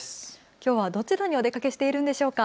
きょうはどちらにお出かけしているのでしょうか。